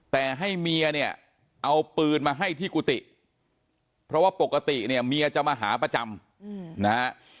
แต่ให้เมียเนี่ยเอาปืนมาให้ที่กุฏิเพราะว่าปกติเนี่ยเมียจะมาหาประจำนะฮะ